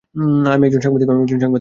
আমি একজন সাংবাদিক।